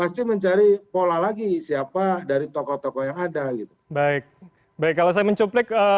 pasti mencari pola lagi siapa dari tokoh tokoh yang ada gitu baik baik kalau saya mencuplik